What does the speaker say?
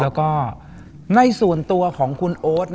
แล้วก็ในส่วนตัวของคุณโอ๊ต